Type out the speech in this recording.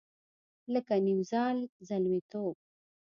لکه نیمزال زلمیتوب